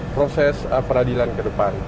proses peradilan ke depan